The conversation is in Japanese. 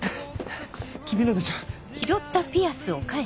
君のでしょ？